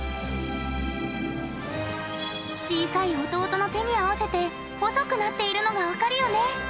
小さい弟の手に合わせて細くなっているのが分かるよね。